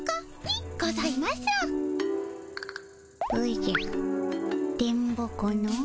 おじゃ電ボ子のう。